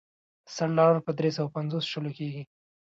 سل ډالر په درې سوه پنځوس شلو کېږي.